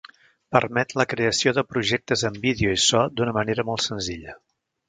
Permet la creació de projectes amb vídeo i so d'una manera molt senzilla.